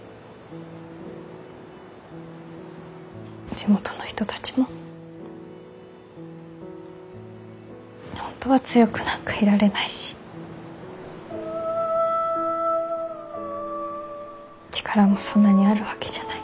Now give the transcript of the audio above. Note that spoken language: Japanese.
地元の人たちも本当は強くなんかいられないし力もそんなにあるわけじゃない。